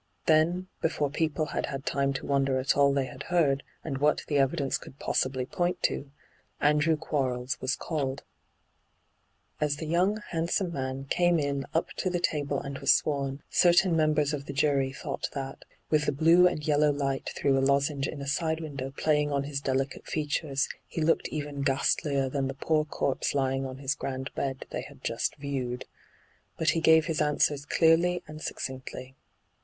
Then, before people had had time to wonder at all they had heard, and what the evidence could possibly point to, ' Andrew Quarles ' was called. hyGoo^lc ENTRAPPED 67 As the young, handsome man came in up to the table and was sworn, certain members of the jury thought that, with the blue and yellow light through a lozenge in a side window playing on his delicate features, he looked even ghastlier than the poor corpse lying on his grand bed they had just 'viewed.' But he gave his answers clearly and succinctly.